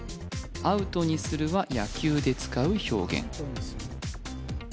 アウトにするは野球で使う表現